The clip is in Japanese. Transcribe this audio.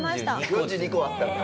４２個あったんだ？